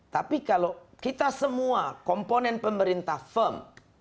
tapi kalau kita semua komponen pemerintah firm